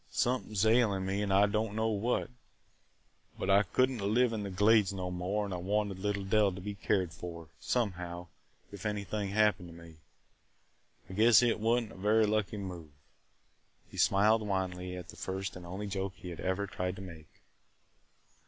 Somethin' is ailin' me an' I don't know what. But I could n't live in th' Glades no more an' I wanted little Dell to be cared for – somehow, if anything happened to me. I guess it wa'n't a very lucky move!" He smiled wanly at the first and only joke he had ever tried to make.